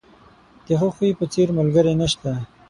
د ښه خوی په څېر، ملګری نشته.